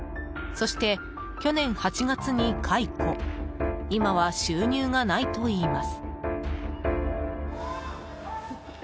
そして去年８月に解雇今は収入がないといいます。